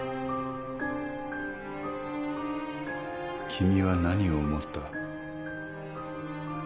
君は何を思った？